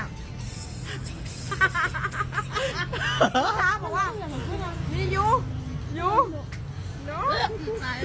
มันถามบอกว่านี่ยูยู